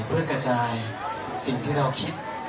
เพื่อกระจายสิ่งที่เราคิด